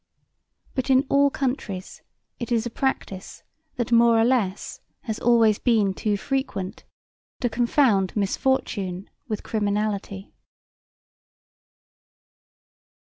But in all countries it is a practise that more or less has always been too frequent to confound misfortune with criminality.